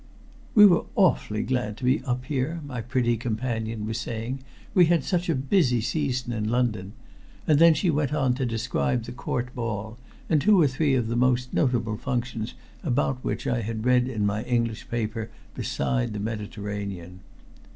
"We are awfully glad to be up here," my pretty companion was saying. "We had such a busy season in London." And then she went on to describe the Court ball, and two or three of the most notable functions about which I had read in my English paper beside the Mediterranean.